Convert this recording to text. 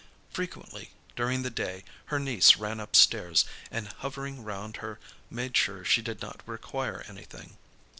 Frequently, during the day, her niece ran upstairs, and, hovering round her, made sure she did not require anything.